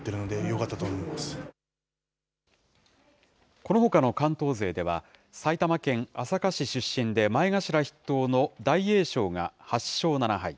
このほかの関東勢では、埼玉県朝霞市出身で前頭筆頭の大栄翔が８勝７敗。